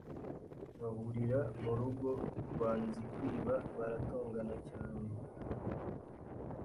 bahurira mu rugo rwa Nzikwiba baratongana cyane